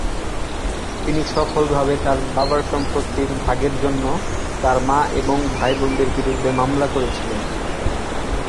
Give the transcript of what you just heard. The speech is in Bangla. তিনি সফলভাবে তার বাবার সম্পত্তির ভাগের জন্য তার মা এবং ভাইবোনদের বিরুদ্ধে মামলা করেছিলেন।